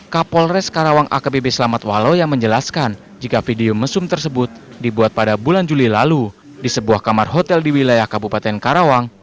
kapolres karawang akbp selamat waloya menjelaskan jika video mesum tersebut dibuat pada bulan juli lalu di sebuah kamar hotel di wilayah kabupaten karawang